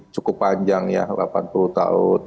cukup panjang ya delapan puluh tahun